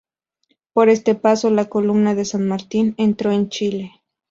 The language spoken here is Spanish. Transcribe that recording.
Por este paso la columna de San Martín entró en Chile.